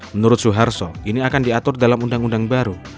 menurut suharto ini akan diatur dalam undang undang baru